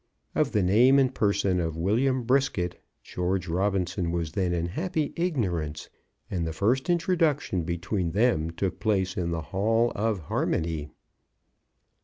Of the name and person of William Brisket, George Robinson was then in happy ignorance, and the first introduction between them took place in the Hall of Harmony.